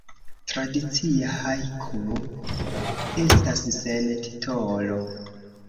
Tradicia hajko estas sen titolo.